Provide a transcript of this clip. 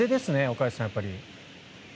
岡安さん、やっぱり。